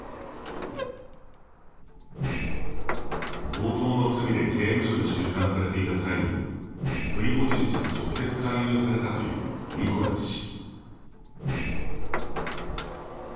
強盗の罪で刑務所に収監されていた際にプリゴジン氏に直接勧誘されたというニコライ氏。